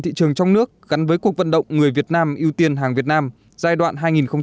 thị trường trong nước gắn với cuộc vận động người việt nam ưu tiên hàng việt nam giai đoạn hai nghìn một mươi bốn hai nghìn hai mươi